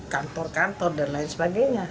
kantor kantor dan lain sebagainya